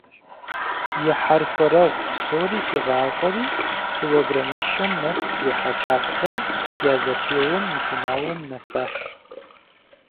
И хьэрхуэрэгъу псори хигъащӏэри, килограмми щэм нэс зи хьэлъагъхэм я зэпеуэм и финалым нэсащ.